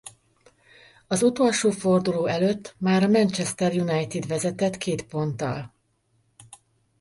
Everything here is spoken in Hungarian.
Az utolsó forduló előtt már a Manchester United vezetett két ponttal.